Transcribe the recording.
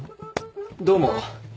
どうも。